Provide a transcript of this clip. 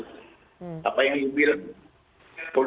dua hari itu